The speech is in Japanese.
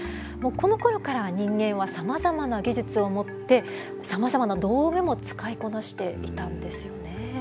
このころから人間はさまざまな技術を持ってさまざまな道具も使いこなしていたんですよね。